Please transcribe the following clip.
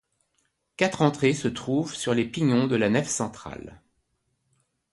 Quatre entrées se trouvent sur les pignons de la nef centrale.